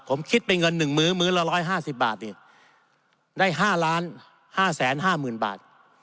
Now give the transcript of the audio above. ผมคิดเป็นเงิน๑มื้อมื้อละ๑๕๐บาทนี่ได้๕๕๕๐๐๐บาท